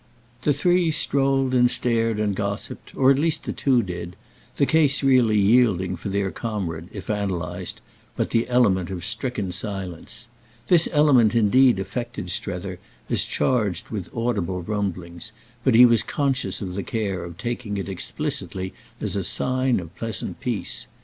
The three strolled and stared and gossiped, or at least the two did; the case really yielding for their comrade, if analysed, but the element of stricken silence. This element indeed affected Strether as charged with audible rumblings, but he was conscious of the care of taking it explicitly as a sign of pleasant peace.